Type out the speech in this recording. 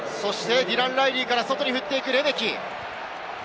ディラン・ライリーから外に振って、レメキ。